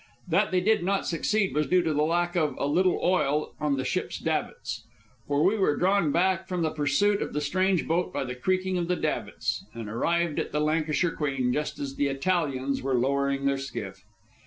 That they did not succeed was due to the lack of a little oil on the ship's davits. For we were drawn back from the pursuit of the strange boat by the creaking of the davits, and arrived at the Lancashire Queen just as the Italians were lowering their skiff.